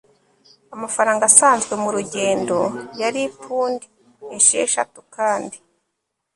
amafaranga asanzwe murugendo yari pound esheshatu kandi